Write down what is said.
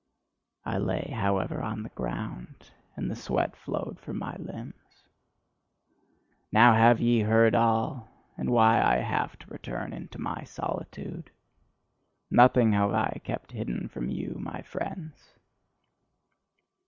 I lay, however, on the ground, and the sweat flowed from my limbs. Now have ye heard all, and why I have to return into my solitude. Nothing have I kept hidden from you, my friends.